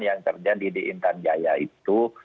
yang terjadi di intan jaya itu